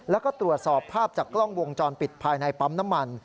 แล้วก็ตรวจสอบภาพจากกล้องวงจรปิดภายในปั๊มน้ำมัน